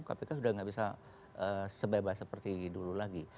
kpk sudah tidak bisa sebebas seperti dulu lagi